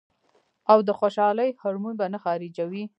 او د خوشالۍ هارمون به نۀ خارجوي -